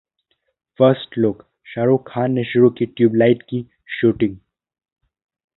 First Look: Shahrukh Khan ने शुरू की 'ट्यूबलाइट' की शूटिंग